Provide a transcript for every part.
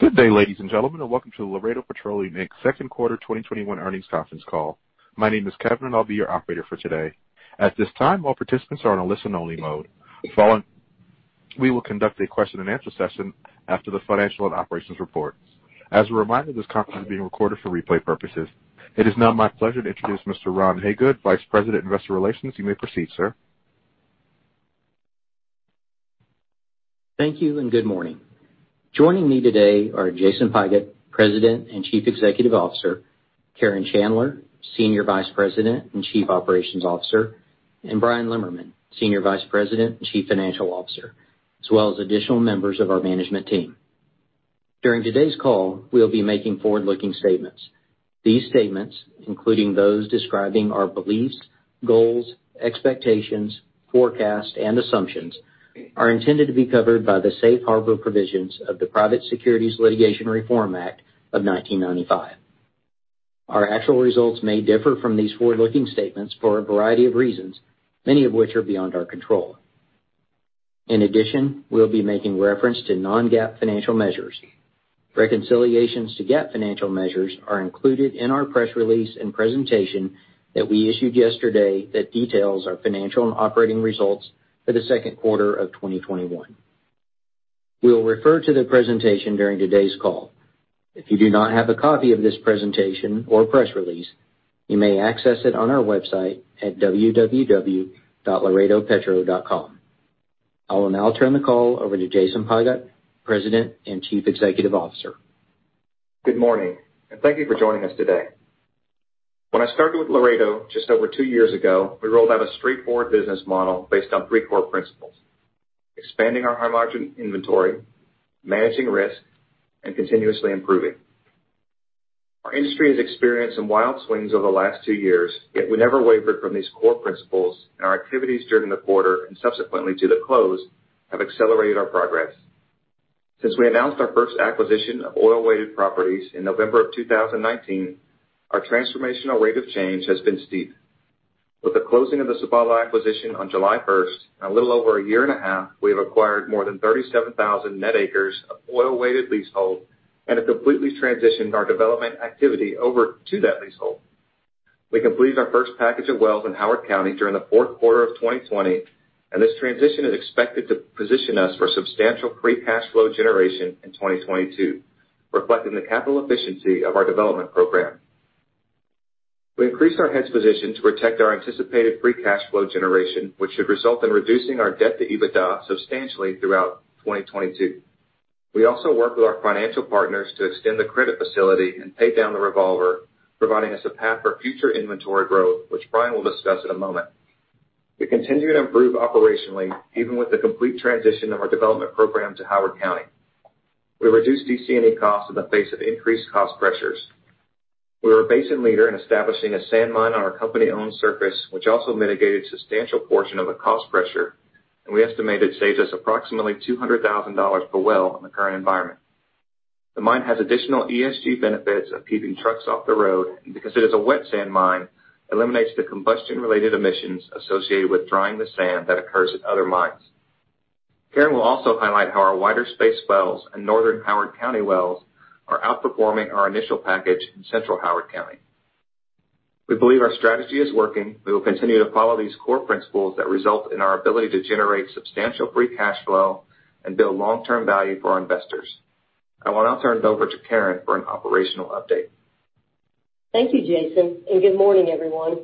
Good day, ladies and gentlemen, and welcome to the Laredo Petroleum, Inc. Q2 2021 earnings conference call. My name is Kevin, and I'll be your operator for today. At this time, all participants are in a listen-only mode. We will conduct a question and answer session after the financial and operations report. As a reminder, this conference is being recorded for replay purposes. It is now my pleasure to introduce Mr. Ron Hagood, Vice President, Investor Relations. You may proceed, sir. Thank you. Good morning. Joining me today are Jason Pigott, President and Chief Executive Officer, Mark Maroldo, Senior Vice President and Chief Operating Officer, and Bryan Lemmerman, Executive Vice President and Chief Financial Officer, as well as additional members of our management team. During today's call, we will be making forward-looking statements. These statements, including those describing our beliefs, goals, expectations, forecasts, and assumptions, are intended to be covered by the safe harbor provisions of the Private Securities Litigation Reform Act of 1995. Our actual results may differ from these forward-looking statements for a variety of reasons, many of which are beyond our control. We'll be making reference to non-GAAP financial measures. Reconciliations to GAAP financial measures are included in our press release and presentation that we issued yesterday that details our financial and operating results for the Q2 of 2021. We will refer to the presentation during today's call. If you do not have a copy of this presentation or press release, you may access it on our website at www.laredopetro.com. I will now turn the call over to Jason Pigott, President and Chief Executive Officer. Good morning, and thank you for joining us today. When I started with Laredo just over two years ago, we rolled out a straightforward business model based on three core principles: expanding our high-margin inventory, managing risk, and continuously improving. Our industry has experienced some wild swings over the last two years, yet we never wavered from these core principles, and our activities during the quarter and subsequently to the close have accelerated our progress. Since we announced our first acquisition of oil-weighted properties in November of 2019, our transformational rate of change has been steep. With the closing of the Sabalo Energy, LLC acquisition on July 1st, in a little over one and a half, we have acquired more than 37,000 net acres of oil-weighted leasehold and have completely transitioned our development activity over to that leasehold. We completed our first package of wells in Howard County during the Q4 of 2020, and this transition is expected to position us for substantial free cash flow generation in 2022, reflecting the capital efficiency of our development program. We increased our hedge position to protect our anticipated free cash flow generation, which should result in reducing our debt to EBITDA substantially throughout 2022. We also worked with our financial partners to extend the credit facility and pay down the revolver, providing us a path for future inventory growth, which Bryan will discuss in a moment. We continue to improve operationally, even with the complete transition of our development program to Howard County. We reduced DC&E costs in the face of increased cost pressures. We were a basin leader in establishing a sand mine on our company-owned surface, which also mitigated a substantial portion of the cost pressure, and we estimate it saves us approximately $200,000 per well in the current environment. The mine has additional ESG benefits of keeping trucks off the road, and because it is a wet sand mine, eliminates the combustion-related emissions associated with drying the sand that occurs at other mines. Mark will also highlight how our wider space wells and northern Howard County wells are outperforming our initial package in central Howard County. We believe our strategy is working. We will continue to follow these core principles that result in our ability to generate substantial free cash flow and build long-term value for our investors. I will now turn it over to Mark for an operational update. Thank you, Jason. Good morning, everyone.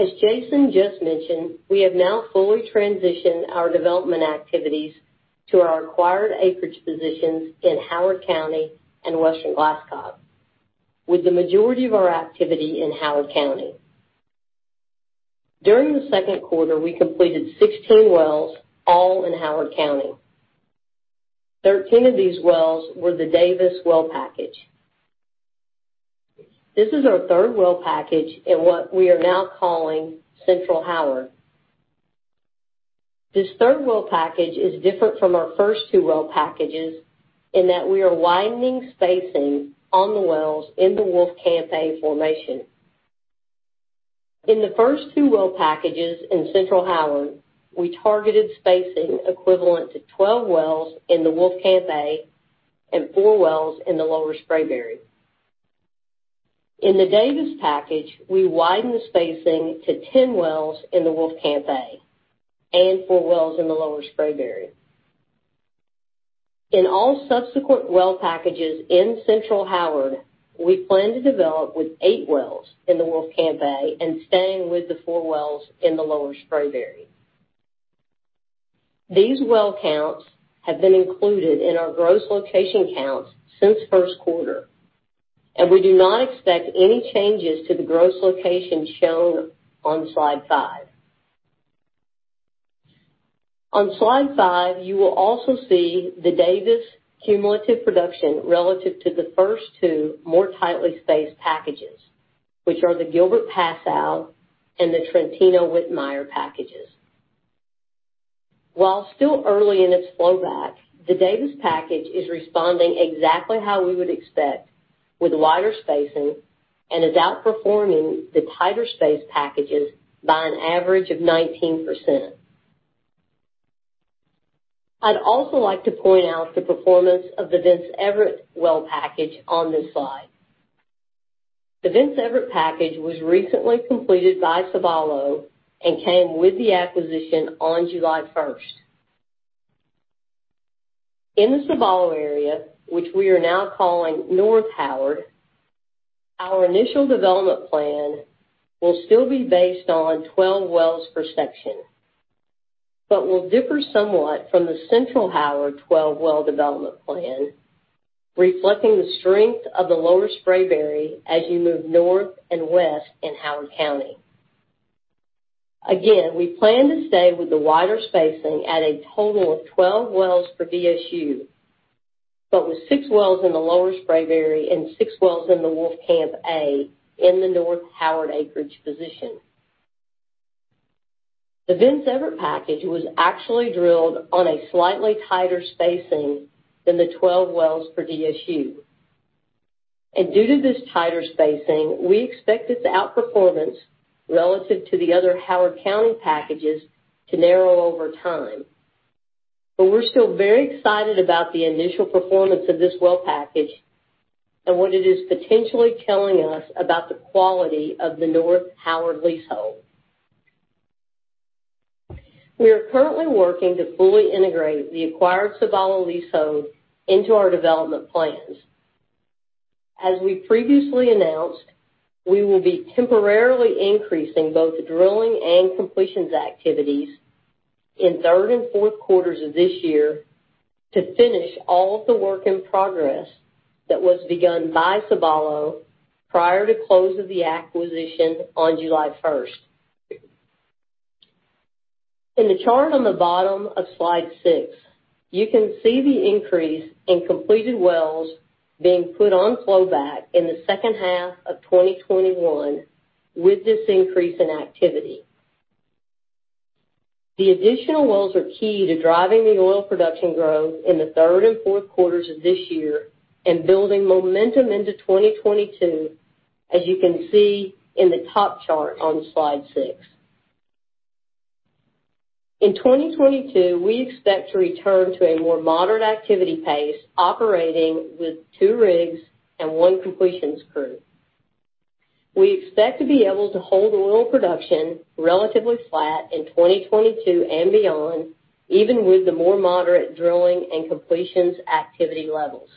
As Jason just mentioned, we have now fully transitioned our development activities to our acquired acreage positions in Howard County and western Glasscock County, with the majority of our activity in Howard County. During the Q2, we completed 16 wells, all in Howard County. Thirteen of these wells were the Davis package. This is our third well package in what we are now calling Central Howard. This third well package is different from our first two well packages in that we are widening spacing on the wells in the Wolfcamp A formation. In the first two well packages in Central Howard, we targeted spacing equivalent to 12 wells in the Wolfcamp A and four wells in the Lower Spraberry. In the Davis package, we widened the spacing to 10 wells in the Wolfcamp A and four wells in the Lower Spraberry. In all subsequent well packages in central Howard, we plan to develop with eight wells in the Wolfcamp A and staying with the four wells in the Lower Spraberry. These well counts have been included in our gross location counts since Q1, and we do not expect any changes to the gross locations shown on slide five. On slide five, you will also see the Davis cumulative production relative to the 2 more tightly spaced packages, which are the Gilbert Pass Owl and the Trentino Whitmire packages. While still early in its flow back, the Davis package is responding exactly how we would expect with wider spacing and is outperforming the tighter space packages by an average of 19%. I'd also like to point out the performance of the Vince Everett well package on this slide. The Vince Everett package was recently completed by Sabalo and came with the acquisition on July 1st. In the Sabalo area, which we are now calling North Howard, our initial development plan will still be based on 12 wells per section, but will differ somewhat from the central Howard 12 well development plan, reflecting the strength of the Lower Spraberry as you move north and west in Howard County. Again, we plan to stay with the wider spacing at a total of 12 wells for DSU, but with six wells in the Lower Spraberry and six wells in the Wolfcamp A in the North Howard acreage position. The Vince Everett package was actually drilled on a slightly tighter spacing than the 12 wells for DSU. Due to this tighter spacing, we expect its outperformance relative to the other Howard County packages to narrow over time. We're still very excited about the initial performance of this well package and what it is potentially telling us about the quality of the North Howard leasehold. We are currently working to fully integrate the acquired Sabalo leasehold into our development plans. As we previously announced, we will be temporarily increasing both drilling and completions activities in third and Q4s of this year to finish all of the work in progress that was begun by Sabalo prior to close of the acquisition on July 1st. In the chart on the bottom of slide six, you can see the increase in completed wells being put on flowback in the second half of 2021 with this increase in activity. The additional wells are key to driving the oil production growth in the Q3 and Q4s of this year and building momentum into 2022, as you can see in the top chart on slide six. In 2022, we expect to return to a more moderate activity pace, operating with two rigs and one completions crew. We expect to be able to hold oil production relatively flat in 2022 and beyond, even with the more moderate drilling and completions activity levels.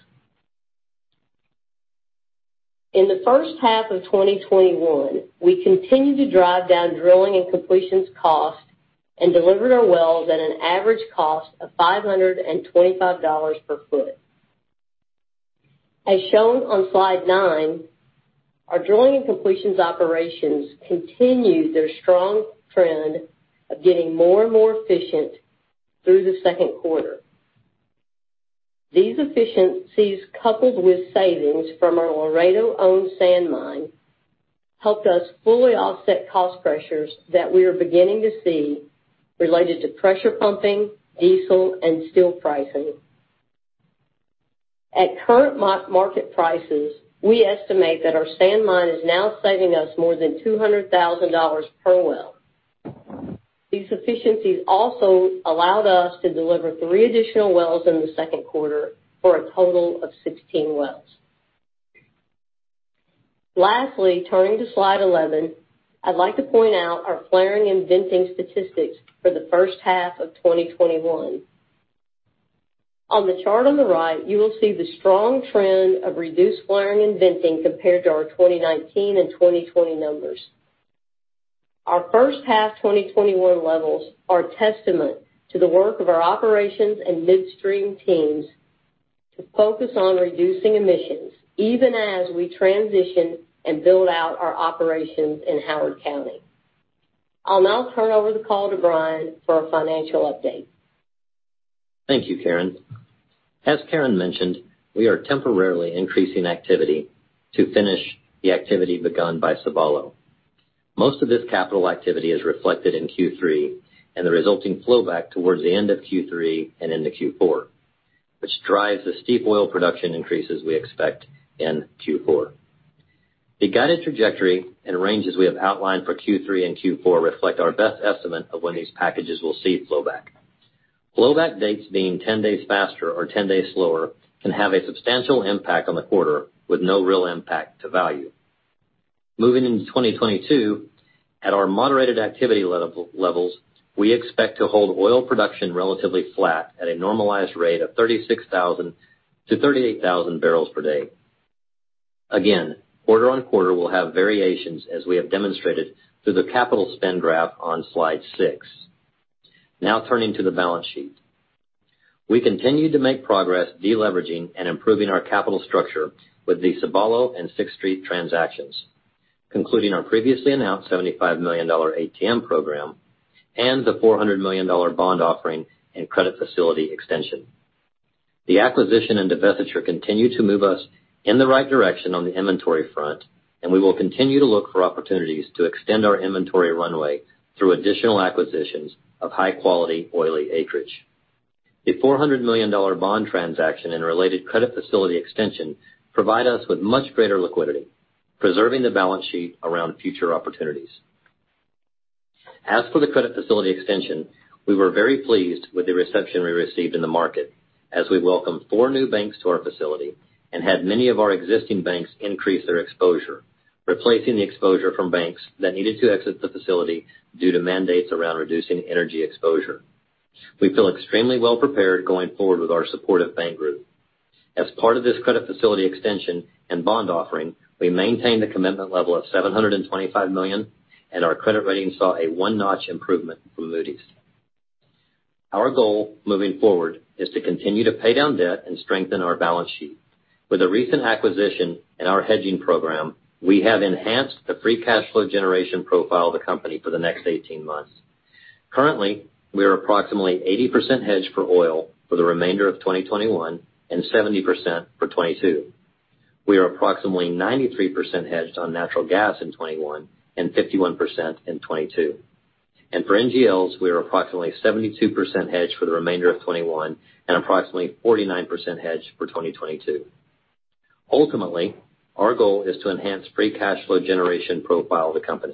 In the first half of 2021, we continued to drive down drilling and completions costs and delivered our wells at an average cost of $525 per foot. As shown on slide nine, our drilling and completions operations continued their strong trend of getting more and more efficient through the Q2. These efficiencies, coupled with savings from our Laredo-owned sand mine, helped us fully offset cost pressures that we are beginning to see related to pressure pumping, diesel, and steel pricing. At current market prices, we estimate that our sand mine is now saving us more than $200,000 per well. These efficiencies also allowed us to deliver three additional wells in the Q2 for a total of 16 wells. Lastly, turning to slide 11, I'd like to point out our flaring and venting statistics for the first half of 2021. On the chart on the right, you will see the strong trend of reduced flaring and venting compared to our 2019 and 2020 numbers. Our first half 2021 levels are testament to the work of our operations and midstream teams to focus on reducing emissions, even as we transition and build out our operations in Howard County. I'll now turn over the call to Bryan for a financial update. Thank you, Mark Maroldo. As Mark Maroldo mentioned, we are temporarily increasing activity to finish the activity begun by Sabalo. Most of this capital activity is reflected in Q3 and the resulting flowback towards the end of Q3 and into Q4, which drives the steep oil production increases we expect in Q4. The guided trajectory and ranges we have outlined for Q3 and Q4 reflect our best estimate of when these packages will see flowback. Flowback dates being 10 days faster or 10 days slower can have a substantial impact on the quarter with no real impact to value. Moving into 2022, at our moderated activity levels, we expect to hold oil production relatively flat at a normalized rate of 36,000-38,000 barrels per day. Again, quarter-on-quarter will have variations as we have demonstrated through the capital spend graph on slide 6. Now turning to the balance sheet. We continue to make progress deleveraging and improving our capital structure with the Sabalo and Sixth Street transactions, concluding our previously announced $75 million ATM program and the $400 million bond offering and credit facility extension. The acquisition and divestiture continue to move us in the right direction on the inventory front, and we will continue to look for opportunities to extend our inventory runway through additional acquisitions of high-quality oily acreage. The $400 million bond transaction and related credit facility extension provide us with much greater liquidity, preserving the balance sheet around future opportunities. As for the credit facility extension, we were very pleased with the reception we received in the market, as we welcomed four new banks to our facility and had many of our existing banks increase their exposure, replacing the exposure from banks that needed to exit the facility due to mandates around reducing energy exposure. We feel extremely well-prepared going forward with our supportive bank group. As part of this credit facility extension and bond offering, we maintained a commitment level of $725 million, and our credit rating saw a one-notch improvement from Moody's. Our goal moving forward is to continue to pay down debt and strengthen our balance sheet. With the recent acquisition in our hedging program, we have enhanced the free cash flow generation profile of the company for the next 18 months. Currently, we are approximately 80% hedged for oil for the remainder of 2021 and 70% for 2022. We are approximately 93% hedged on natural gas in 2021 and 51% in 2022. For NGLs, we are approximately 72% hedged for the remainder of 2021 and approximately 49% hedged for 2022. Ultimately, our goal is to enhance free cash flow generation profile of the company.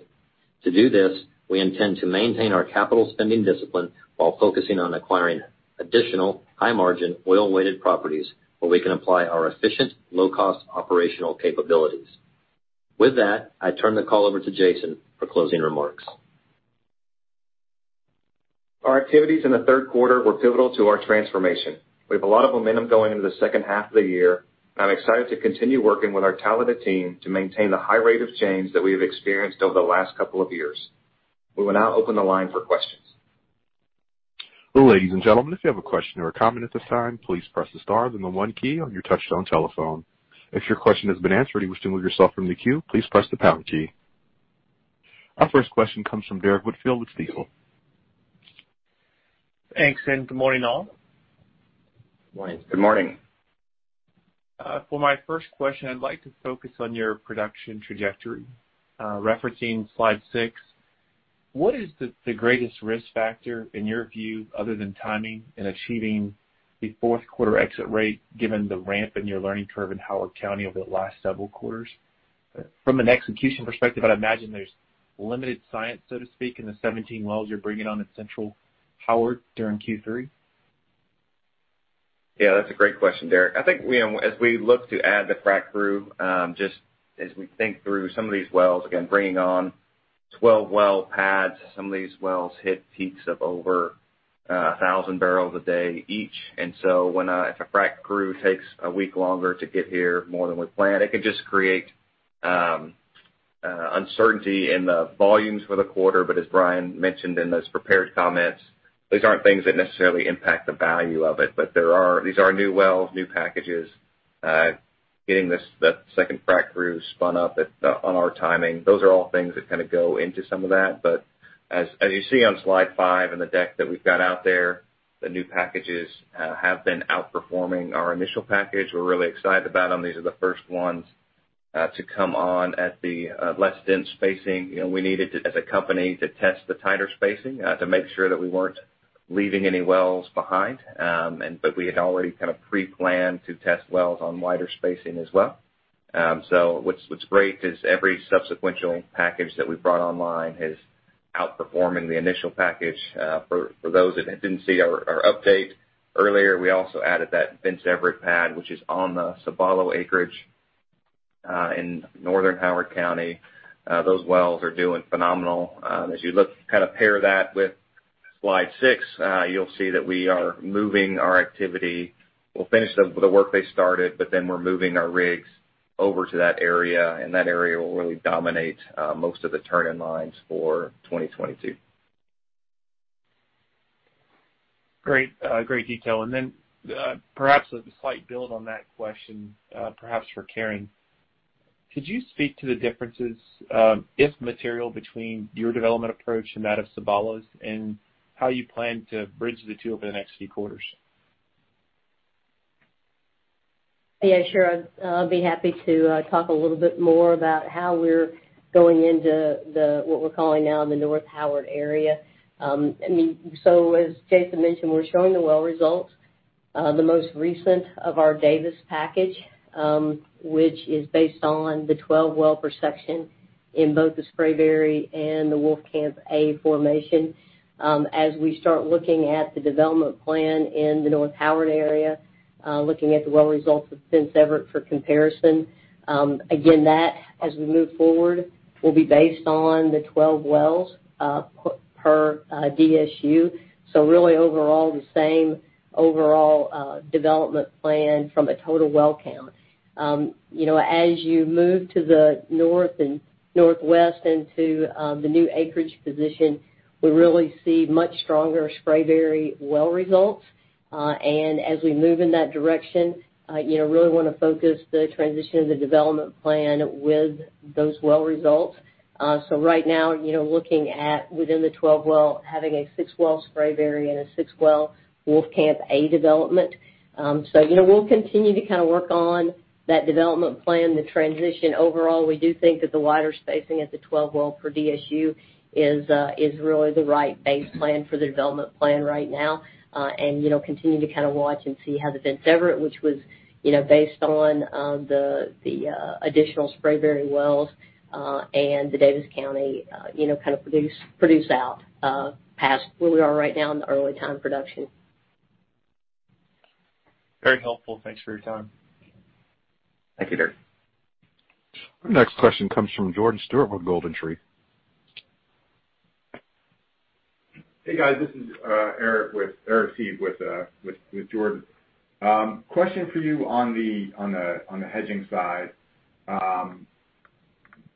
To do this, we intend to maintain our capital spending discipline while focusing on acquiring additional high-margin, oil-weighted properties where we can apply our efficient low-cost operational capabilities. With that, I turn the call over to Jason for closing remarks. Our activities in the Q3 were pivotal to our transformation. We have a lot of momentum going into the second half of the year, and I'm excited to continue working with our talented team to maintain the high rate of change that we have experienced over the last couple of years. We will now open the line for questions. Ladies and gentlemen, if you have a question or a comment at this time, please press the star then the one key on your touch-tone telephone. If your question has been answered and you wish to remove yourself from the queue, please press the pound key. Our first question comes from Derrick Whitfield with Stifel. Thanks, and good morning, all. Morning. Good morning. For my first question, I'd like to focus on your production trajectory. Referencing slide 6, what is the greatest risk factor in your view other than timing in achieving the Q4 exit rate, given the ramp in your learning curve in Howard County over the last several quarters? From an execution perspective, I'd imagine there's limited science, so to speak, in the 17 wells you're bringing on in Central Howard during Q3. Yeah, that's a great question, Derrick. I think as we look to add the frac crew, just as we think through some of these wells, again, bringing on 12 well pads, some of these wells hit peaks of over 1,000 barrels a day each. When a frac crew takes one week longer to get here more than we planned, it can just create uncertainty in the volumes for the quarter. As Bryan mentioned in those prepared comments, these aren't things that necessarily impact the value of it. These are new wells, new packages. Getting the second frac crew spun up on our timing, those are all things that go into some of that. As you see on slide five in the deck that we've got out there, the new packages have been outperforming our initial package. We're really excited about them. These are the first ones to come on at the less dense spacing. We needed, as a company, to test the tighter spacing to make sure that we weren't leaving any wells behind. We had already pre-planned to test wells on wider spacing as well. What's great is every subsequent package that we've brought online is outperforming the initial package. For those that didn't see our update earlier, we also added that Vince Everett pad, which is on the Sabalo acreage in northern Howard County. Those wells are doing phenomenal. As you pair that with slide six, you'll see that we are moving our activity. We'll finish the work they started, but then we're moving our rigs over to that area, and that area will really dominate most of the turn-in-lines for 2022. Great detail. Then perhaps a slight build on that question perhaps for Mark. Could you speak to the differences, if material, between your development approach and that of Sabalo's, and how you plan to bridge the two over the next few quarters? Yeah, sure. I'd be happy to talk a little bit more about how we're going into what we're calling now the North Howard Area. As Jason mentioned, we're showing the well results. The most recent of our Davis package, which is based on the 12 well per section in both the Spraberry and the Wolfcamp A formation. As we start looking at the development plan in the North Howard Area, looking at the well results of Vince Everett for comparison, again, that, as we move forward, will be based on the 12 wells per DSU. Really overall, the same overall development plan from a total well count. As you move to the north and northwest into the new acreage position, we really see much stronger Spraberry well results. As we move in that direction, really want to focus the transition of the development plan with those well results. Right now, looking at within the 12 well, having a six-well Spraberry and a six-well Wolfcamp A development. We'll continue to work on that development plan, the transition. Overall, we do think that the wider spacing at the 12 well per DSU is really the right base plan for the development plan right now. Continue to watch and see how the Vince Everett, which was based on the additional Spraberry wells and the Davis package produce out past where we are right now in the early time production Very helpful. Thanks for your time. Thank you, Derrick. Our next question comes from Jordan Stuart with GoldenTree Asset Management. Hey, guys. This is Eric Seeve with Jordan. Question for you on the hedging side.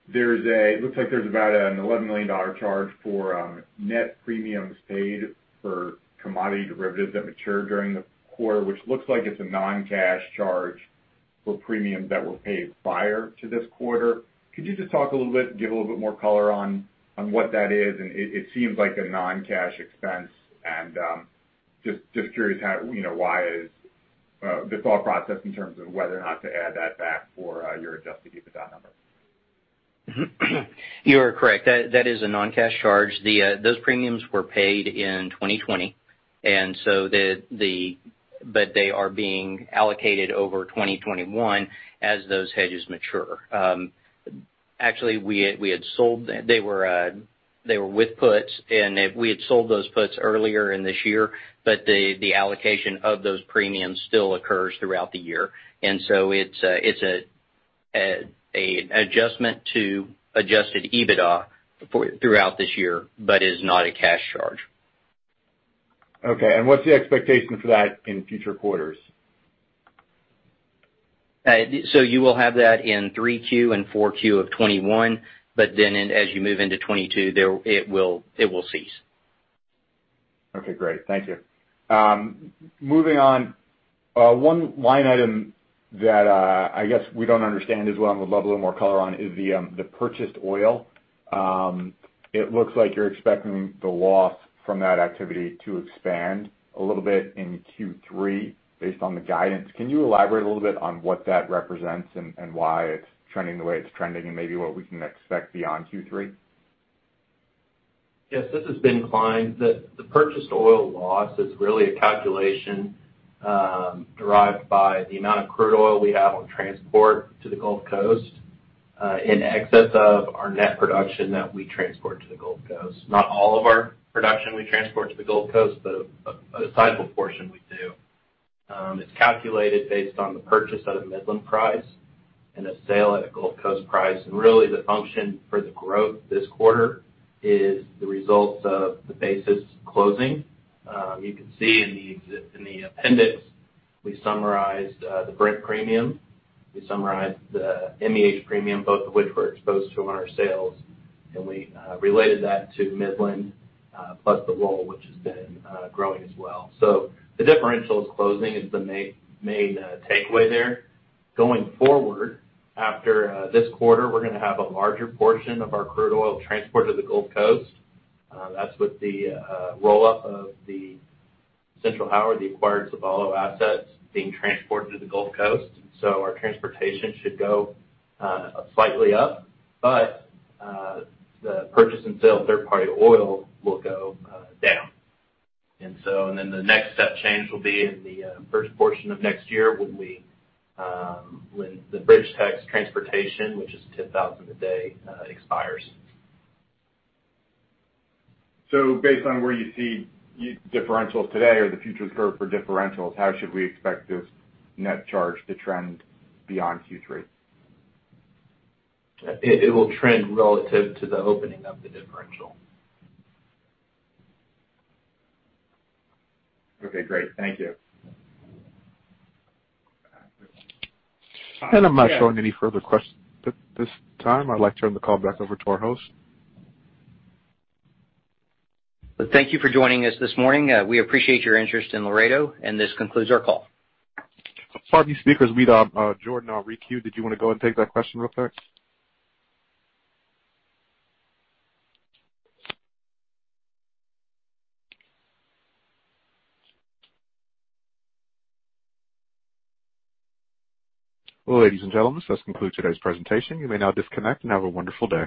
It looks like there's about an $11 million charge for net premiums paid for commodity derivatives that mature during the quarter, which looks like it's a non-cash charge for premiums that were paid prior to this quarter. Could you just talk a little bit, give a little bit more color on what that is? It seems like a non-cash expense, and just curious why is the thought process in terms of whether or not to add that back for your adjusted EBITDA number? You are correct. That is a non-cash charge. Those premiums were paid in 2020. They are being allocated over 2021 as those hedges mature. Actually, they were with puts, and we had sold those puts earlier in this year, but the allocation of those premiums still occurs throughout the year. It's an adjustment to adjusted EBITDA throughout this year, but is not a cash charge. Okay, what's the expectation for that in future quarters? You will have that in 3Q and 4Q of 2021, but then as you move into 2022, it will cease. Okay, great. Thank you. Moving on. One line item that I guess we don't understand as well and would love a little more color on is the purchased oil. It looks like you're expecting the loss from that activity to expand a little bit in Q3 based on the guidance. Can you elaborate a little bit on what that represents and why it's trending the way it's trending, and maybe what we can expect beyond Q3? Yes. This has been climbed. The purchased oil loss is really a calculation derived by the amount of crude oil we have on transport to the Gulf Coast in excess of our net production that we transport to the Gulf Coast. Not all of our production we transport to the Gulf Coast, but a sizable portion we do. It's calculated based on the purchase at a Midland price and a sale at a Gulf Coast price. Really the function for the growth this quarter is the results of the basis closing. You can see in the appendix, we summarized the Brent premium. We summarized the MEH premium, both of which we're exposed to on our sales. We related that to Midland, plus the roll, which has been growing as well. The differential is closing is the main takeaway there. Going forward, after this quarter, we're going to have a larger portion of our crude oil transported to the Gulf Coast. That's with the roll-up of the Central Howard, the acquired Sabalo assets being transported to the Gulf Coast. Our transportation should go slightly up. The purchase and sale of third-party oil will go down. The next step change will be in the first portion of next year when the BridgeTex transportation, which is 10,000 a day, expires. Based on where you see differentials today or the future curve for differentials, how should we expect this net charge to trend beyond Q3? It will trend relative to the opening of the differential. Okay, great. Thank you. I'm not showing any further questions at this time. I'd like to turn the call back over to our host. Thank you for joining us this morning. We appreciate your interest in Laredo, and this concludes our call. Pardon me, speakers. Jordan on re-queue. Did you want to go ahead and take that question real quick? Well, ladies and gentlemen, this concludes today's presentation. You may now disconnect, and have a wonderful day.